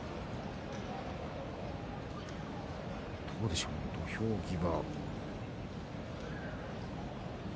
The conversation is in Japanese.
どうでしょうね、土俵際。